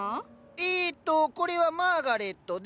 えとこれはマーガレットで。